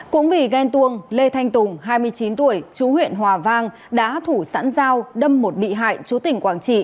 cũng vì ghen tuông lê thanh tùng hai mươi chín tuổi chú huyện hòa vang đã thủ sẵn dao đâm một bị hại chú tỉnh quảng trị